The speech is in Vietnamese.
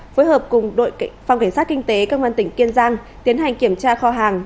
phối hợp cùng đội phòng cảnh sát kinh tế công an tỉnh kiên giang tiến hành kiểm tra kho hàng